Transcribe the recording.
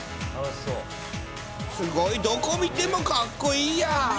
すごい、どこ見ても、かっこいいや。